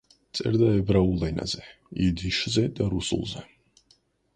წერდა ებრაულ ენაზე, იდიშზე და რუსულზე.